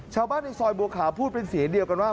ชาวบ้านที่ซอยบัวขาพูดเป็นสิ่งเหมือนเดียวกันว่า